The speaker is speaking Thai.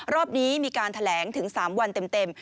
รอบนี้มีการแถลงถึง๓วันเต็ม